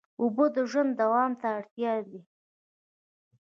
اوبه د ژوند دوام ته اړتیا دي.